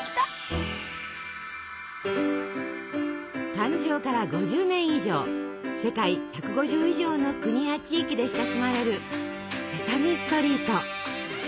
誕生から５０年以上世界１５０以上の国や地域で親しまれる「セサミストリート」。